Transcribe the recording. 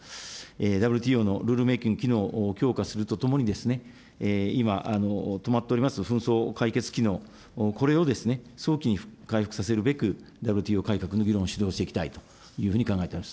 ＷＴＯのルールメーキング機能を強化するとともに、今、止まっております紛争解決機能、これを早期に回復させるべく、ＷＴＯ改革の議論を主導していきたいというふうに考えております。